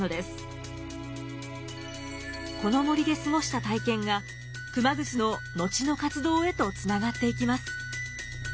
この森で過ごした体験が熊楠の後の活動へとつながっていきます。